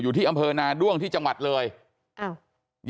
ที่อำเภอนาด้วงที่จังหวัดเลย